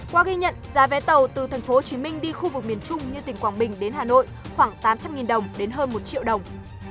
qua ghi nhận giá vé tàu từ tp hcm đi khu vực miền trung như tỉnh quảng bình đến hà nội khoảng tám trăm linh đồng đến hơn một triệu đồng